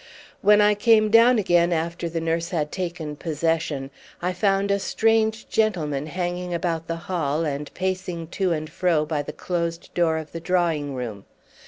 When I came down again after the nurse had taken possession I found a strange gentleman hanging about the hall and pacing to and fro by the closed door of the drawing room.